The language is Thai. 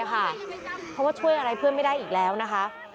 เพราะว่าช่วยอะไรเพื่อนไม่ได้อีกแล้วนะคะ